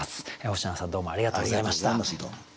星野さんどうもありがとうございました。